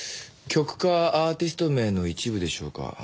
曲かアーティスト名の一部でしょうか？